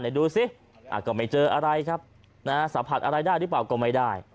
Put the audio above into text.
ดูสิก็ไม่เจออะไรครับนะฮะสัมผัสอะไรได้หรือเปล่าก็ไม่ได้